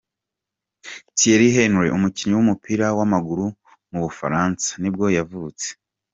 Thierry Henri, umukinnyi w’umupira w’amaguru w’umufaransa nibwo yavutse.